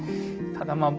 ただまあ